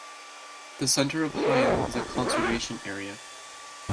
The centre of Higham is a conservation area.